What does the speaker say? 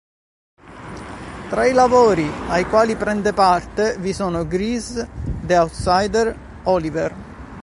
Tra i lavori ai quali prende parte vi sono "Grease", "The outsiders", "Oliver!